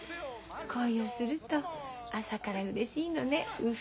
恋をすると朝からうれしいのねウフ。